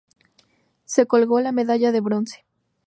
Se colgó la medalla de bronce.